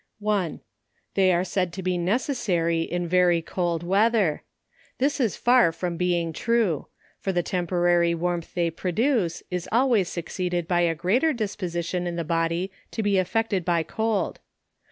1. They arc said to he necessary in very cold weather. This is far from being true 5 for the temporary warmth they produce, is always succeeded by a greater disposi tion in the body to be affected by cold.